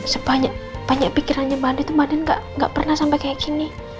sebanyak pikirannya mbak andin tuh mbak andin gak pernah sampe kaya gini